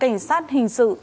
phòng cảnh sát hình sự